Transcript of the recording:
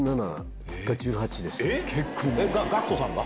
ＧＡＣＫＴさんが？